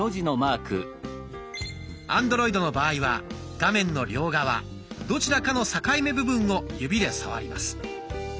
アンドロイドの場合は画面の両側どちらかの境目部分を指で触ります。